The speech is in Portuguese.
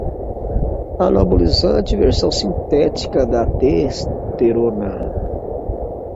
anabolizante, versão sintética da testosterona